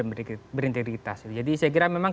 dan berintegritas jadi saya kira memang